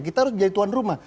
kita harus jadi tuan rumah